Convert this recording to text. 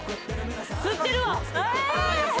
・吸ってるわ！